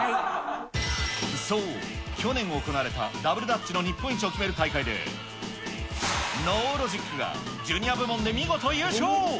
そう、去年行われたダブルダッチの日本一を決める大会で、ノーロジックがジュニア部門で見事優勝。